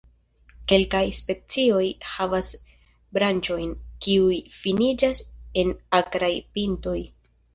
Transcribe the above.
Kelkaj specioj havas branĉojn, kiuj finiĝas en akraj pintoj.